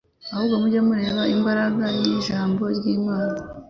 ahubwo mujye mureba imbaraga y’ijambo ry’Imana.